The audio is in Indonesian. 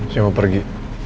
saya mau pergi